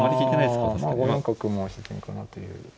５四角も自然かなという。